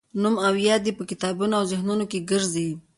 نوم او یاد یې په کتابونو او ذهنونو کې ګرځي.